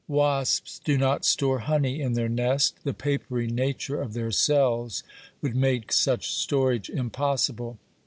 _] Wasps do not store honey in their nest; the papery nature of their cells would make such storage impossible.